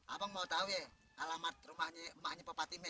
abang mau tahu ya alamat rumahnya emaknya bapak timme